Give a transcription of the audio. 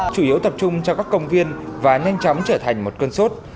chủ yếu tập trung cho các công viên và nhanh chóng trở thành một cơn sốt